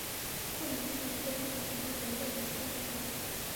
桂林运用车间的前身为桂林机务段。